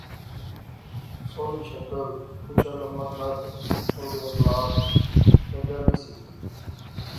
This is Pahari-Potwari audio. سوہنی شکل، اُچا لمبا قد، چنگے اخلاق، چجا لی سی